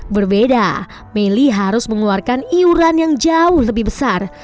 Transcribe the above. berbeda melly harus mengeluarkan iuran yang jauh lebih besar